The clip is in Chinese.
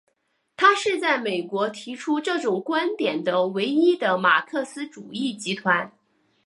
它是在美国提出这种观点的唯一的马克思主义集团。